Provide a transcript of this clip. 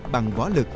bằng võ lực